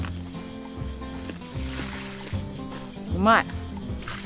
うまい！